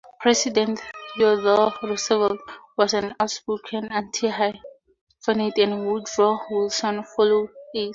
President Theodore Roosevelt was an outspoken anti-hyphenate and Woodrow Wilson followed suit.